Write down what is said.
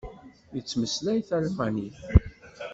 Yettmeslay talmanit.